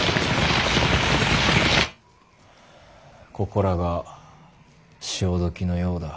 ここらが潮時のようだ。